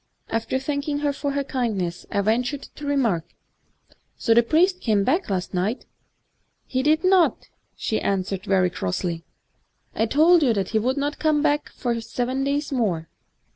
After thanking her for her kind ness, I ventured to remark, *So the priest came back last night ?'* He did not,' she answered very crossly —* I told you that he would not come back for seven days more.